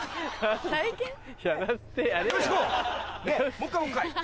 もう１回もう１回！